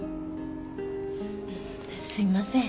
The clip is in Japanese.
すいません。